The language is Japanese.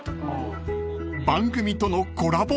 ［番組とのコラボ